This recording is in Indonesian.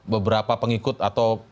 beberapa pengikut atau